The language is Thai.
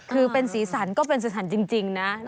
คือเป็นสีสันก็เป็นสีสันจริงนะ